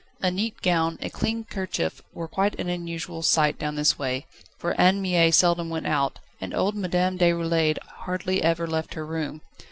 A neat gown, a clean kerchief, were quite an unusual sight down this way, for Anne Mie seldom went out, and old Madame Déroulède hardly ever left her room.